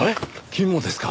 君もですか。